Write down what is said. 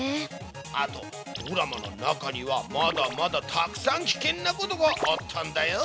あとドラマの中にはまだまだたくさんきけんなことがあったんだよ。